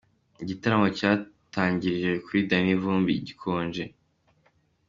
Igitaramo cyatangiriye kuri Danny Vumbi gikonje.